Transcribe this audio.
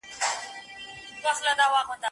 یوه ورځ وو یو صوفي ورته راغلی